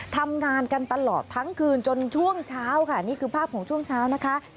ทำงานกันตลอดทั้งคืนจนช่วงเช้าค่ะนี่คือภาพของช่วงเช้านะคะ